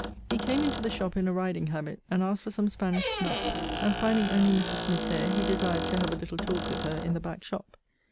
He came into the shop in a riding habit, and asked for some Spanish snuff; and finding only Mrs. Smith there, he desired to have a little talk with her in the back shop.